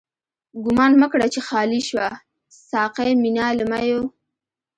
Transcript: ګومان مه کړه چی خالی شوه، ساقی مينا له ميو